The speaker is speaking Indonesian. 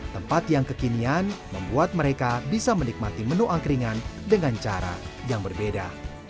tempat yang kekinian membuat mereka bisa menikmati menu angkringan dengan cara yang berbeda